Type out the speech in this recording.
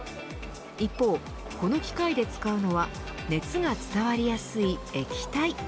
一方、この機械で使うのは熱が伝わりやすい液体。